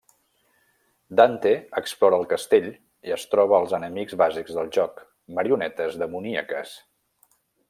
Dante explora el castell i es troba els enemics bàsics del joc, marionetes demoníaques.